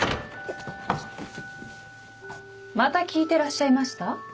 また聞いてらっしゃいました？